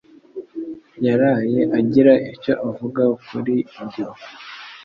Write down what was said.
yaraye agira icyo avuga kuri ibyo.